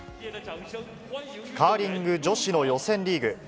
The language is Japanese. カーリング女子の予選リーグ。